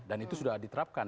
dan itu sudah diterapkan